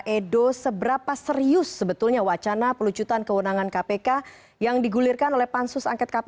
edo seberapa serius sebetulnya wacana pelucutan kewenangan kpk yang digulirkan oleh pansus angket kpk